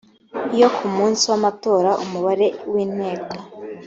iyo ku munsi w amatora umubare w inteko